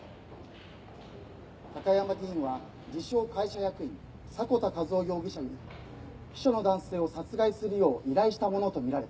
高山議員は自称会社役員迫田一男容疑者に秘書の男性を殺害するよう依頼したものとみられています。